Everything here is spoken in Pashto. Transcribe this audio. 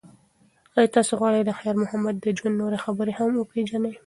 ایا تاسو غواړئ چې د خیر محمد د ژوند نورې برخې هم وپیژنئ؟